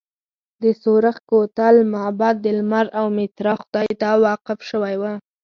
د سورخ کوتل معبد د لمر او میترا خدای ته وقف شوی و